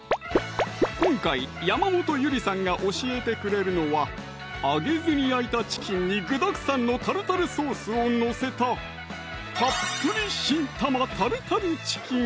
今回山本ゆりさんが教えてくれるのは揚げずに焼いたチキンに具だくさんのタルタルソースを載せた「たっぷり新玉タルタルチキン」